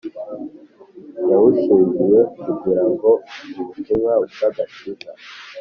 yawushingiye kugira ngo ubutumwa bw Agakiza